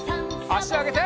あしあげて。